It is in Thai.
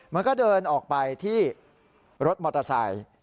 มันก็เดินออกไปที่รถมอเตอร์ไซค์